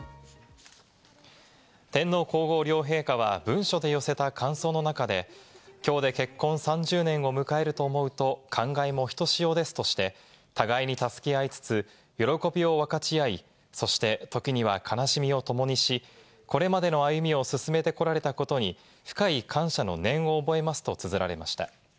天皇皇后両陛下は文書で寄せた感想の中で、きょうで結婚３０年を迎えると思うと感慨もひとしおですとして、互いに助け合いつつ、喜びを分かち合い、そして時には悲しみを共にし、これまでの歩みを進めてこられたことに深い感謝の念を覚えますとつづられました。